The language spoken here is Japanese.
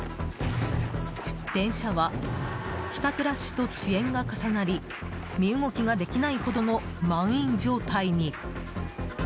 電車は帰宅ラッシュと遅延が重なり身動きができないほどの満員状態に。